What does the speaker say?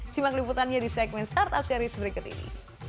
simak liputannya di segmen startup series berikut ini